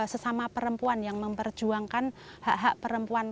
sesama perempuan yang memperjuangkan hak hak perempuan